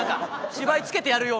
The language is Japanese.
芝居つけてやるよ